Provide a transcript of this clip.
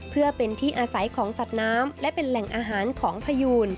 เพื่อเป็นที่อาศัยของสัตว์น้ำและเป็นแหล่งอาหารของพยูน